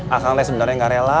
akang teh sebenarnya gak rela